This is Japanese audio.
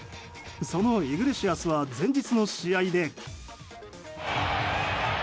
そのイグレシアスは前日の試合で。